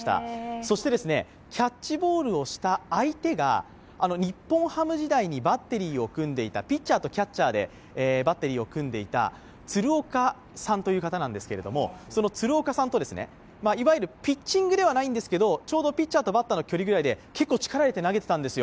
そして、キャッチボールをした相手が日本ハム時代にピッチャーとキャッチャーとバッテリーを組んでいた鶴岡さんという方なんですけれども、その鶴岡さんといわゆるピッチングではないんですけどちょうどピッチャーとバッターの距離ぐらいで、結構力を入れて投げていたんですよ。